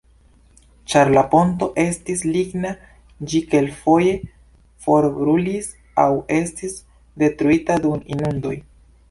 Ĉar la ponto estis ligna, ĝi kelkfoje forbrulis aŭ estis detruita dum inundoj.